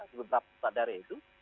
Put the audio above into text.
sebegapa usaha dari itu